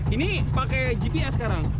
ini pakai gps sekarang